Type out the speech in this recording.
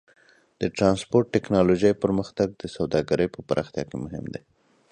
د ټرانسپورټ ټیکنالوجۍ پرمختګ د سوداګرۍ په پراختیا کې مهم دی.